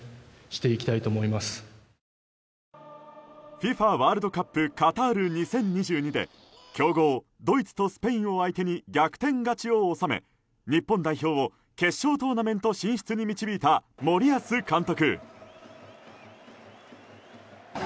ＦＩＦＡワールドカップカタール２０２２で強豪ドイツとスペインを相手に逆転勝ちを収め日本代表を決勝トーナメント進出に導いた森保監督。